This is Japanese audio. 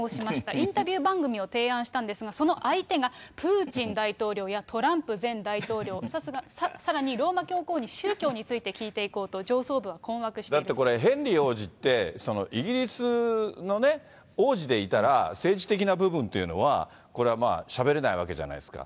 インタビュー番組を提案したんですが、その相手がプーチン大統領やトランプ前大統領、さらにローマ教皇に宗教について聞いていこうと、だってこれ、ヘンリー王子って、イギリスのね、王子でいたら、政治的な部分っていうのは、これはまあ、しゃべれないわけじゃないですか。